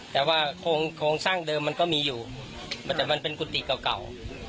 แต่ว่าโครงสร้างเดิมมันก็มีอยู่แต่มันเป็นกุฏิเก่า